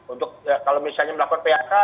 untuk kalau misalnya melakukan phk